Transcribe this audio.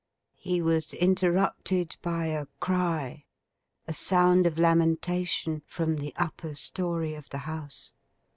He was interrupted by a cry—a sound of lamentation—from the upper story of the house.